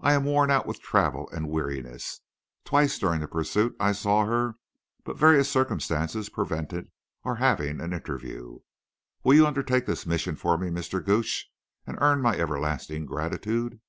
I am worn out with travel and weariness. Twice during the pursuit I saw her, but various circumstances prevented our having an interview. Will you undertake this mission for me, Mr. Gooch, and earn my everlasting gratitude?"